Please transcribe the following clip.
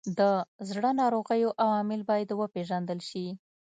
د زړه ناروغیو عوامل باید وپیژندل شي.